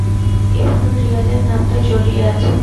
এবারও রিয়ালের নামটা জড়িয়ে আছে।